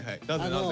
なぜ？